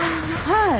はい。